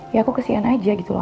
ya aku kesian aja gitu loh